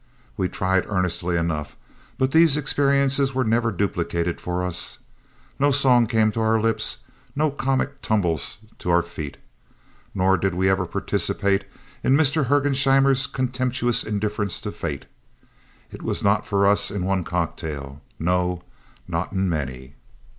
We tried earnestly enough, but these experiences were never duplicated for us. No songs came to our lips, nor comic tumbles to our feet. Nor did we ever participate in Mr. Hergesheimer's "contemptuous indifference to fate." It was not for us in one cocktail; no, not in many.